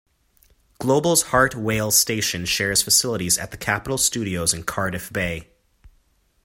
Global's Heart Wales station shares facilities at the Capital studios in Cardiff Bay.